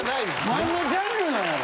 何のジャンルなんやろ？